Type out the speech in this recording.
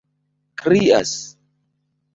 krias